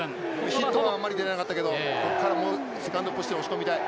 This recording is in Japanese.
ヒットがあんまり出なかったけどここからセカンドポジション押し込みたい。